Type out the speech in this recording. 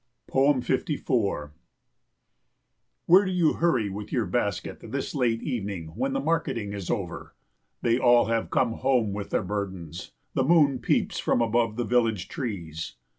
54 Where do you hurry with your basket this late evening when the marketing is over? They all have come home with their burdens; the moon peeps from above the village trees.